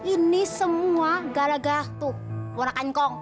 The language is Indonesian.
ini semua gala gala tuh warna kanya kong